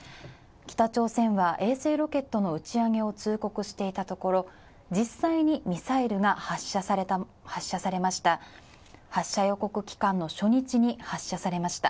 北朝鮮は衛星ロケットの打ち上げを通告していたところ、実際にミサイルが発射されました、発射予告期間の初日に発射されました。